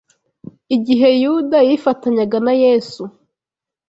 Igihe Yuda yifatanyaga na Yesu